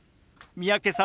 三宅さん